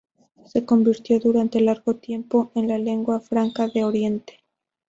Se convirtió durante largo tiempo en la lengua franca de Oriente.